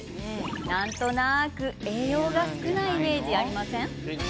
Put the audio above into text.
なんとなく栄養が少ないイメージありません？